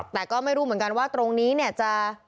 แต่ก็ไม่รู้เหมือนกันว่าตรงนี้เนี่ยจะ